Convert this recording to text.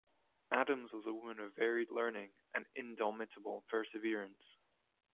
Adams was a woman of varied learning and indomitable perseverance.